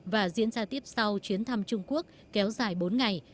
và diễn ra tiếp sau chuyến thăm trung quốc kéo dài bốn ngày